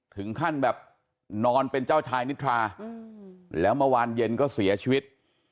ถึงขั้นแบบนอนเป็นเจ้าชายนิทราแล้วเมื่อวานเย็นก็เสียชีวิต